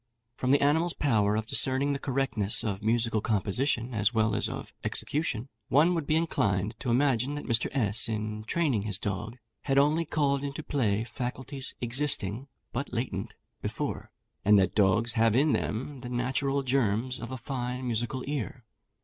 From the animal's power of discerning the correctness of musical composition, as well as of execution, one would be inclined to imagine that Mr. S , in training his dog, had only called into play faculties existing (but latent) before, and that dogs have in them the natural germs of a fine musical ear.